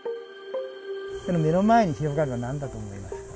目の前に広がるのは何だと思いますか？